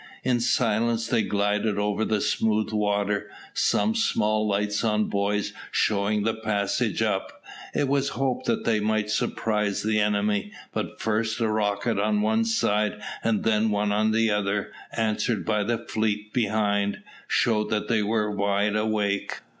In silence they glided over the smooth water, some small lights on buoys showing the passage up. It was hoped that they might surprise the enemy, but first a rocket on one side and then one on the other, answered by the fleet behind, showed that they were wide awake.